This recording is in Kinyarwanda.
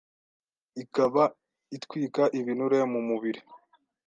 ikaba itwika ibinure mu mumubiri